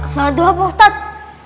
sholat duha pak ustadz